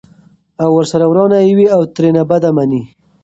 او ورسره ورانه یې وي او ترېنه بده مني!